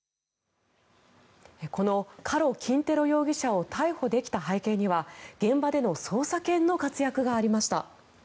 このカロ・キンテロ容疑者を逮捕できた背景には現場での捜査犬の活躍がありました。